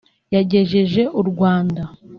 yagejeje u Rwanda